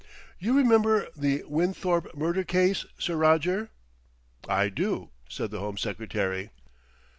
"You remember the Winthorpe murder case, Sir Roger?" "I do," said the Home Secretary.